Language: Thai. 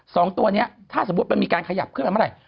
สองตัวนี้ถ้าสมมุติมีใกล้มีการขยับผลบ้างมาก